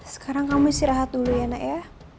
sekarang kamu istirahat dulu ya nak ya